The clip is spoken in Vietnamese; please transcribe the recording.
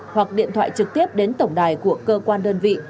hoặc điện thoại trực tiếp đến tổng đài của cơ quan đơn vị